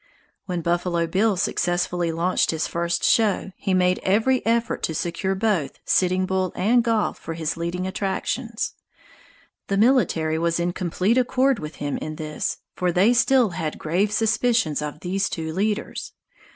When "Buffalo Bill" successfully launched his first show, he made every effort to secure both Sitting Bull and Gall for his leading attractions. The military was in complete accord with him in this, for they still had grave suspicions of these two leaders.